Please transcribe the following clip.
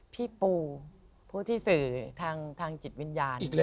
พี่ปูผู้ที่สื่อทางจิตวิญญาณ